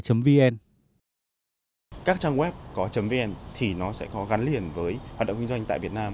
các trang web có vn thì nó sẽ có gắn liền với hoạt động kinh doanh tại việt nam